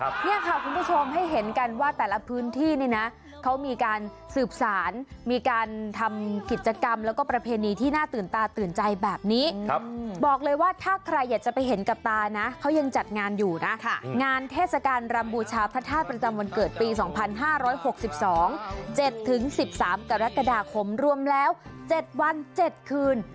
พูดไทยนะคะเนี่ยค่ะคุณผู้ชมให้เห็นกันว่าแต่ละพื้นที่นี่นะเขามีการสืบสารมีการทำกิจกรรมแล้วก็ประเพณีที่น่าตื่นตาตื่นใจแบบนี้ครับบอกเลยว่าถ้าใครอยากจะไปเห็นกับตานะเขายังจัดงานอยู่นะค่ะงานเทศกาลรำบูชาพระธาตุประจำวันเกิดปีสองพันห้าร้อยหกสิบสองเจ็ดถึงสิบสามกรกฎาคมรวมแล้วเจ็ดวัน